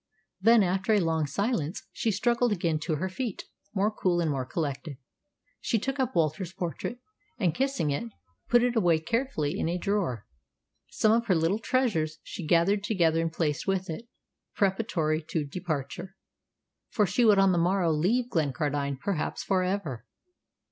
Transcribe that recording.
Then, after a long silence, she struggled again to her feet, more cool and more collected. She took up Walter's portrait, and, kissing it, put it away carefully in a drawer. Some of her little treasures she gathered together and placed with it, preparatory to departure, for she would on the morrow leave Glencardine perhaps for ever.